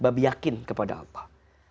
bab yakin kepada allah